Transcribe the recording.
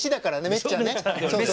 めっちゃんね。